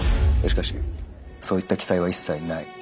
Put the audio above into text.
しかしそういった記載は一切ない。